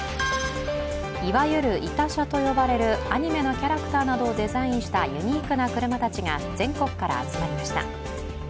いわゆる痛車と呼ばれるアニメのキャラクターなどをデザインしたユニークな車たちが全国から集まりました。